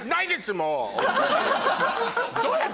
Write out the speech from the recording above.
もう。